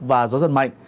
và gió giật mạnh